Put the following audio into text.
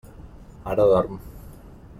Ara dorm.